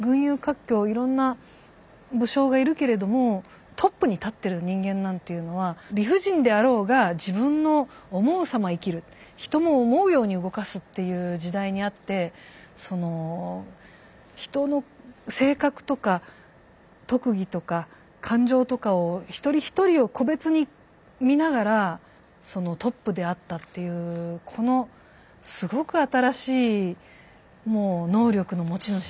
いろんな武将がいるけれどもトップに立ってる人間なんていうのは理不尽であろうが自分の思うさま生きる人も思うように動かすっていう時代にあって人の性格とか特技とか感情とかを一人一人を個別に見ながらそのトップであったっていうこのすごく新しい能力の持ち主